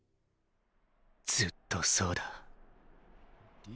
ずっとそうだ。